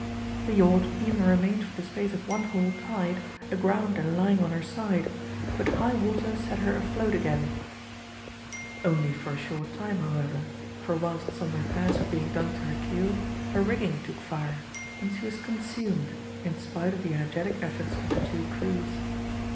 The yacht even remained for the space of one whole tide, aground and lying on her side, but high water set her afloat again; only for a short time however, for whilst some repairs were being done to her keel, her rigging took fire, and she was consumed in spite of the energetic efforts of the two crews.